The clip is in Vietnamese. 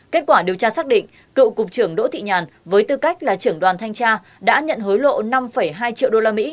kết quả điều tra xác định cựu cục trưởng đỗ thị nhàn với tư cách là trưởng đoàn thanh tra đã nhận hối lộ năm hai triệu usd